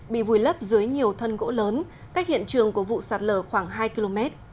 bị vùi lấp dưới nhiều thân gỗ lớn cách hiện trường của vụ sạt lở khoảng hai km